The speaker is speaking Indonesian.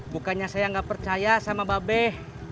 bukannya saya gak percaya sama babeh